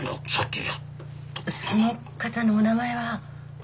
その方のお名前は？